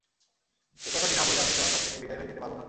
সেই কথাটি না বলে আমি তোমার কাছ থেকে বিদায় হয়ে যেতে পারব না।